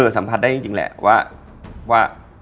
สัมผัสได้จริงแหละว่า